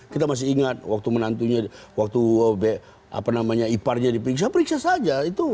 kita masih ingat waktu menantunya waktu iparnya diperiksa periksa saja